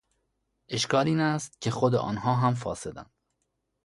اشکال اینست که خود آنها هم فاسدند.